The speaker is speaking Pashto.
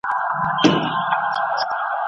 په ارمان د پسرلي یو له خزانه تر خزانه